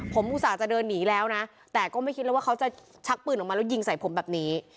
ผมอุตส่าห์จะเดินหนีแล้วนะแต่ก็ไม่คิดแล้วว่าเขาจะชักปืนออกมาแล้วยิงใส่ผมแบบนี้